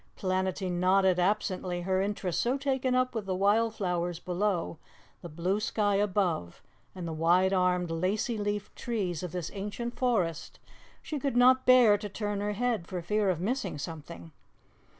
Planetty nodded absently, her interest so taken up with the wild flowers below, the blue sky above, and the wide armed, lacy leafed trees of this ancient forest she could not bear to turn her head for fear of missing something.